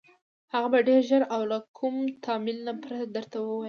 هغه به ډېر ژر او له كوم تأمل نه پرته درته ووايي: